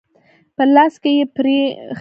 په لاس کې يې پړی ښکارېده.